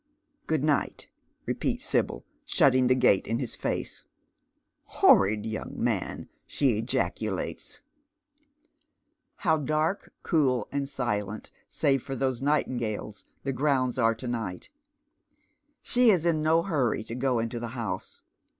" Good night," repeats Sibyl, shutting the gate in hid face. " Horrid young man !" slic ejaculates. How dark, and cooj, and silent, save for those nightingales, the grounds are to night 1 Slie is in no hurry to go into the house.